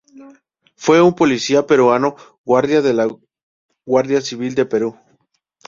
Fue un policía peruano, Guardia de la Guardia Civil del Perú.